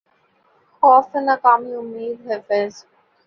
خوف ناکامئ امید ہے فیضؔ